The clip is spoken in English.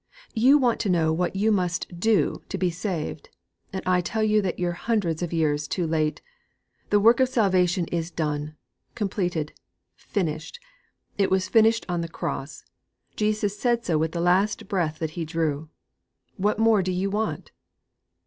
You want to know what you must do to be saved, and I tell you that you're hundreds of years too late! The work of salvation is done, completed, finished! It was finished on the Cross; Jesus said so with the last breath that He drew! What more do you want?'